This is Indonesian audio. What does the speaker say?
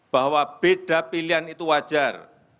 bahwa beda pilihan itu wajar